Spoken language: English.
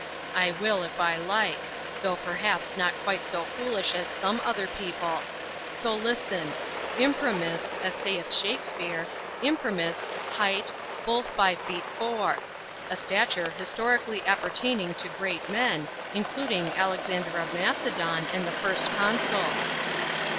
"I will, if I like; though perhaps not quite so foolish as some other people; so listen: 'Imprimis,' as saith Shakspeare Imprimis, height, full five feet four; a stature historically appertaining to great men, including Alexander of Macedon and the First Consul."